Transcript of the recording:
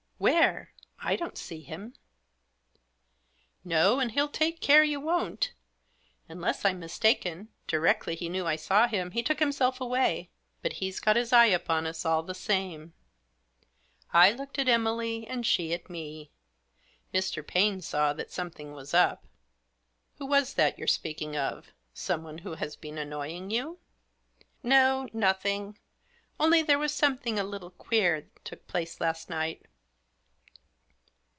" Where? I don't see him." " No, and he'll take care you won't. Unless I'm mistaken* directly he knew I saw him he took himself away ; but he's got his eye upon us all the same. 11 I looked at Emily, and she at me. Mr. Paine saw that something was up. u Who was that you're speaking of? Someone who has been annoying you ?"" No — nothing. Only there was something a little queer took place last night."